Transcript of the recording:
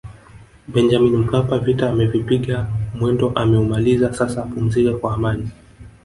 Benjamin Mkapa vita amevipiga mwendo ameumaliza sasa apumzike kwa amani